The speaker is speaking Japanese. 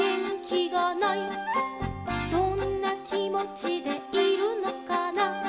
「どんなきもちでいるのかな」